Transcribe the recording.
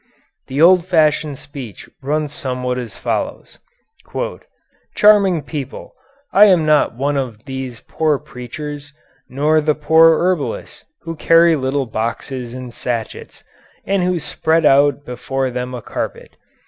The old fashioned speech runs somewhat as follows: "Charming people: I am not one of these poor preachers, nor the poor herbalists, who carry little boxes and sachets, and who spread out before them a carpet.